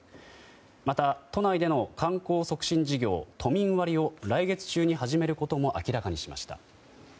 また、都内での観光促進事業都民割を来月中に始めることも明らかにしました。